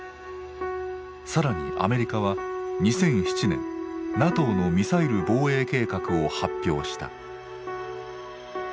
更にアメリカは２００７年ＮＡＴＯのミサイル防衛計画を発表した。